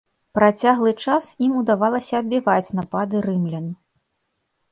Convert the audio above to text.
Працяглы час ім удавалася адбіваць напады рымлян.